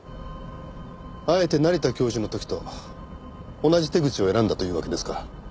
あえて成田教授の時と同じ手口を選んだというわけですか。